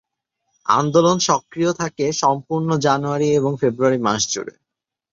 আন্দোলন সক্রিয় থাকে সম্পূর্ণ জানুয়ারী এবং ফেব্রুয়ারি মাস জুড়ে।